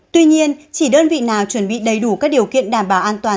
tuy nhiên chỉ đơn vị nào chuẩn bị đầy đủ các điều kiện đảm bảo an toàn